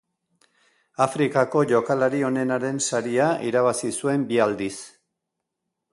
Afrikako jokalari onenaren saria irabazi zuen bi aldiz.